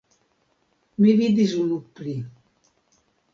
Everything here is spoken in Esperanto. Mi vidis unu pli.